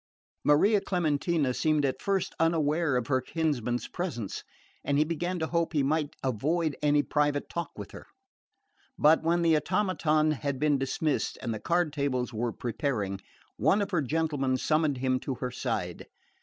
Maria Clementina seemed at first unaware of her kinsman's presence, and he began to hope he might avoid any private talk with her; but when the automaton had been dismissed and the card tables were preparing, one of her gentlemen summoned him to her side.